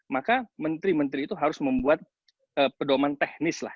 maka menteri menteri itu harus membuat pedoman teknis lah